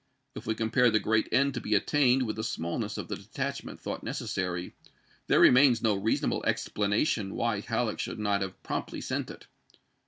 If we compare the great end to be attained with the smallness of the detachment thought necessary, there remains no reasonable explanation why Halleck should not have promptly sent it.